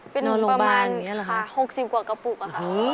นอนโรงพยาบาลค่ะเป็นประมาณ๖๐กว่ากระปุกค่ะ